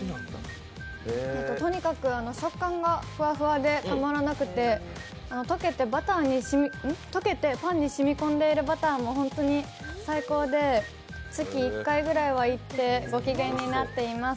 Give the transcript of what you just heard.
とにかく食感がふわふわでたまらなくて溶けてパンに染み込んでいるバターもホントに最高で月１回くらいは行ってご機嫌になってます。